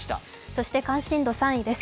そして関心度３位です。